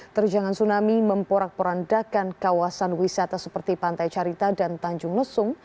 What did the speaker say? terjangan tsunami memporak porandakan kawasan wisata seperti pantai carita dan tanjung lesung